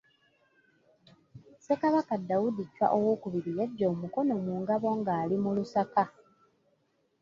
Ssekabaka Daudi Chwa II yaggya omukono mu ngabo ng'ali mu Lusaka.